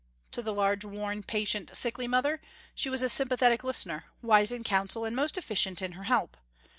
To the large, worn, patient, sickly mother she was a sympathetic listener, wise in council and most efficient in her help.